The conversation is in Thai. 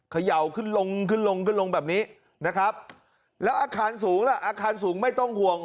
เขย่าขึ้นลงขึ้นลงขึ้นลงแบบนี้นะครับแล้วอาคารสูงล่ะอาคารสูงไม่ต้องห่วง